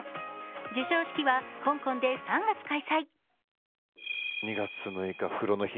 授賞式は香港で３月開催。